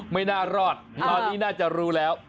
ไม่น่ารอดตอนนี้น่าจะรู้แล้ว